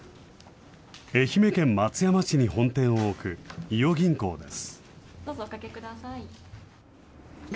愛媛県松山市に本店を置く伊予銀行です。